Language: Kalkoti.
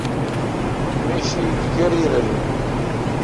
می شی کری رل این۔